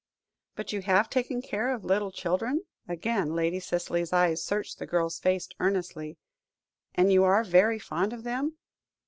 "But you have taken care of little children?" again Lady Cicely's eyes searched the girl's face earnestly "and you are very fond of them?"